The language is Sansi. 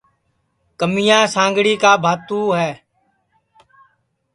کمیا سانڳڑی کا بھانتوں ہے